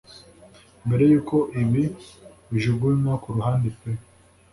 Mbere yuko ibi bijugunywa ku ruhande pe